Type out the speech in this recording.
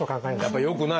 やっぱりよくない。